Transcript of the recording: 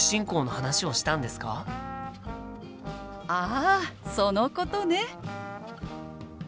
あそのことね！